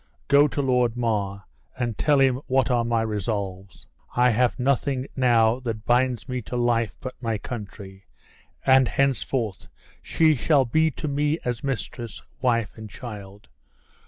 GO to Lord Mar, and tell him what are my resolves. I have nothing now that binds me to life but my country; and henceforth she shall be to me as mistress, wife and child.